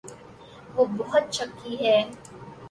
وہ بہت شکی ہے۔